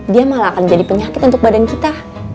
dia malah akan menjadi penyakit untuk badan kita